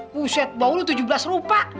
buset bau lo tujuh belas rupiah